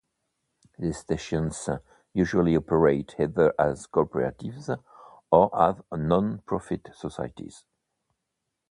These stations usually operate either as Cooperatives or as a non-profit Societies.